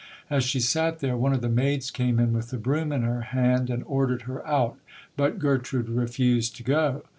As she sat there, one of the maids came in with the broom in her hand and ordered her out, but Gertrude refused to go.